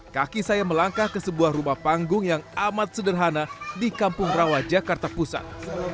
kaki saya melangkah ke sebuah rumah panggung yang amat sederhana di kampung rawa jakarta pusat